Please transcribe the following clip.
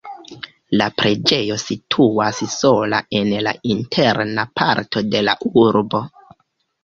La preĝejo situas sola en la interna parto de la urbo.